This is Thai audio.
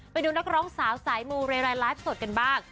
ไปดูนักร้องสาวสายมูเรไลน์ไลฟ์สดกันบ้าง